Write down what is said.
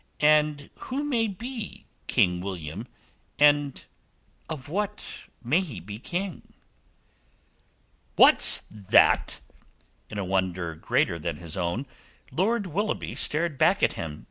"And who may be King William, and of what may he be King?" "What's that?" In a wonder greater than his own, Lord Willoughby stared back at him.